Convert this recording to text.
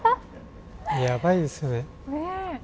やばいですよね。